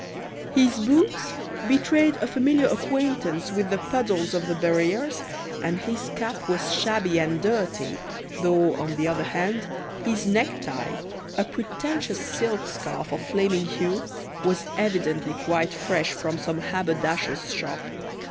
His boots betrayed a familiar acquaintance with the puddles of the barrieres, and his cap was shabby and dirty, though, on the other hand, his necktie, a pretentious silk scarf of flaming hue, was evidently quite fresh from some haberdasher's shop.